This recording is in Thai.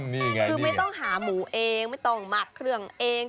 นี่ไงคือไม่ต้องหาหมูเองไม่ต้องหมักเครื่องเอง